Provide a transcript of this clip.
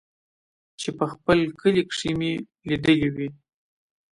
چې په خپل کلي کښې مې ليدلې وې.